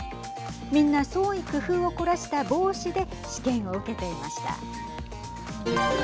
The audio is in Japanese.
みんな創意工夫を凝らした帽子で試験を受けていました。